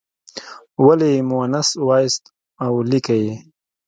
ولې یې مونث وایاست او لیکئ یې.